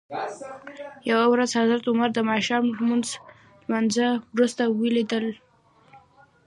یوه ورځ حضرت عمر دماښام لمانځه وروسته ولید ل.